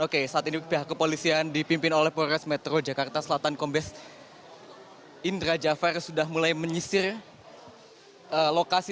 oke saat ini pihak kepolisian dipimpin oleh polres metro jakarta selatan kombes indra jafar sudah mulai menyisir lokasi